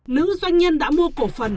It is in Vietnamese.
nữ doanh nhân đã mua cổ phần